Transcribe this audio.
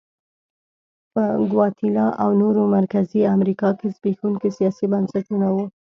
په ګواتیلا او نورو مرکزي امریکا کې زبېښونکي سیاسي بنسټونه وو.